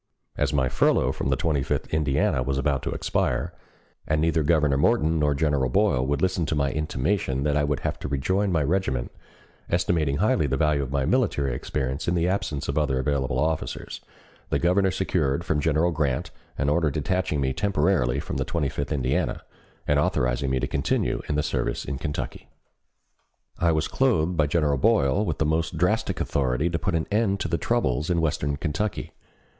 As my furlough from the Twenty fifth Indiana was about to expire, and neither Governor Morton nor General Boyle would listen to my intimation that I would have to rejoin my regiment, estimating highly the value of my military experience in the absence of other available officers, the Governor secured from General Grant an order detaching me temporarily from the Twenty fifth Indiana, and authorizing me to continue in the service in Kentucky. I was clothed by General Boyle with the most drastic authority to put an end to the troubles in western Kentucky.